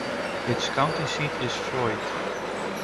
Its county seat is Floyd.